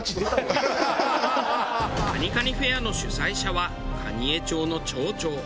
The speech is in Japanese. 蟹蟹フェアの主催者は蟹江町の町長。